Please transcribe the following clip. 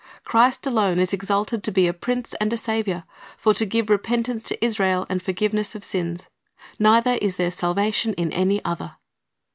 Christ alone is exalted to be "a Prince and a Saviour, for to give repentance to Israel, and forgiveness of sins." "Neither is there salvation in any other."